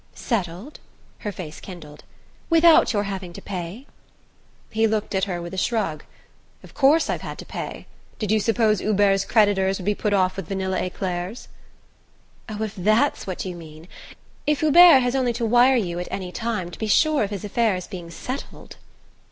"Settled?" Her face kindled. "Without your having to pay?" He looked at her with a shrug. "Of course I've had to pay. Did you suppose Hubert's creditors would be put off with vanilla eclairs?" "Oh, if THAT'S what you mean if Hubert has only to wire you at any time to be sure of his affairs being settled